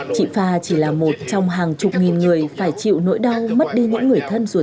chị pha chỉ là một trong hàng chục nghìn người phải chịu nỗi đau mất đi những người thân ruột